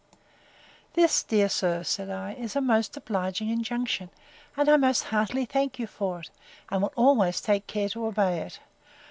This, dear sir, said I, is a most obliging injunction; and I most heartily thank you for it, and will always take care to obey it.